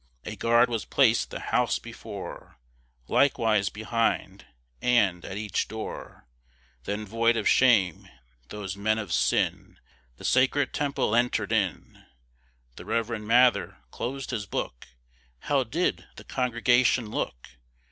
A guard was plac'd the house before, Likewise behind and at each door; Then void of shame, those men of sin The sacred temple enter'd in. The reverend Mather closed his book, How did the congregation look!